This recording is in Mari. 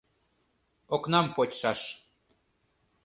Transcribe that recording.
Окнам почшаш.